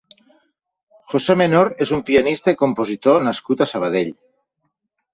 José Menor és un pianista i compositor nascut a Sabadell.